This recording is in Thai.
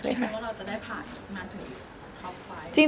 คิดว่าเราจะได้ผ่านมาถึงครอบคล้าย